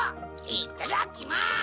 いただきます！